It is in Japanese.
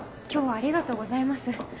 今日はありがとうございます。